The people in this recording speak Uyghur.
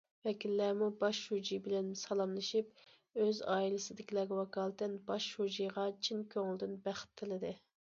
ۋەكىللەرمۇ باش شۇجى بىلەن سالاملىشىپ، ئۆز ئائىلىسىدىكىلەرگە ۋاكالىتەن باش شۇجىغا چىن كۆڭلىدىن بەخت تىلىدى.